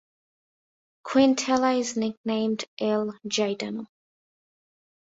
Quintela is nicknamed ""El Gitano"".